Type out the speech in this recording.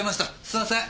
すいません。